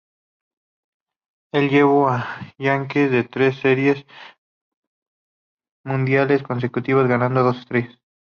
Él llevó a los Yankees a tres Series Mundiales consecutivas, ganando dos de ellas.